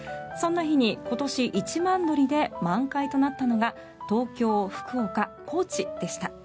そんな日に今年一番乗りで満開となったのが東京、福岡、高知でした。